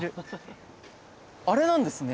あれなんですね